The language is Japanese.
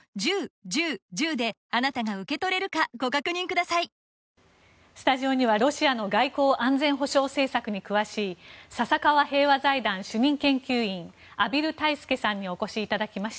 こうしたＶＩＰメンバーにはスタジオには、ロシアの外交・安全保障政策に詳しい笹川平和財団主任研究員畔蒜泰助さんにお越しいただきました。